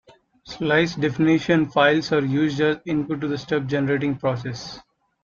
Slice definition files are used as input to the stub generating process.